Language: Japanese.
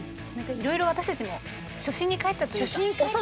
いろいろ私たちも初心に帰ったというか教わりましたね